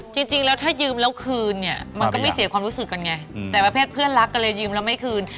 จริงแล้วถ้ายืมแล้วคืนเนี่ยมันก็ไม่เสียความรู้สึกกันไงแต่ประเภทเพื่อนรักก็เลยยืมแล้วไม่คืน